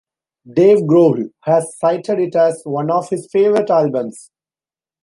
Dave Grohl has cited it as one of his favorite albums.